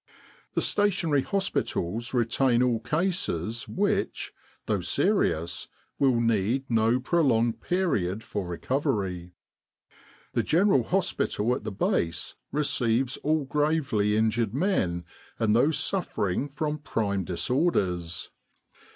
The Stationary Hospitals retain all cases which, though serious, will need no prolonged period for recovery. The General Hospital at the Base re ceives all gravely injured men and those suffering from prime disorders.